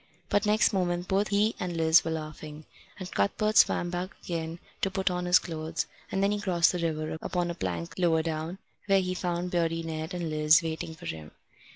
But next moment both he and Liz were laughing, and Cuthbert swam back again to put on his clothes; and then he crossed the river upon a plank lower down, where he found Beardy Ned and Liz waiting for him.